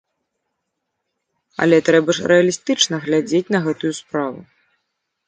Але трэба ж рэалістычна глядзець на гэтую справу.